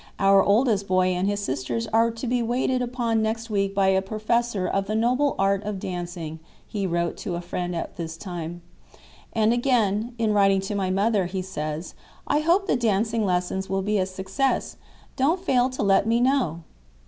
"Our oldest boy and his sisters are to be waited upon next week by a professor of the noble art of dancing," he wrote to a friend at this time. And again, in writing to my mother, he says: "I hope the dancing lessons will be a success. Don't fail to let me know."